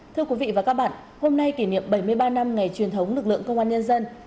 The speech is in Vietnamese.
thưa quý vị và các bạn hôm nay kỷ niệm bảy mươi ba năm ngày truyền thống lực lượng công an nhân dân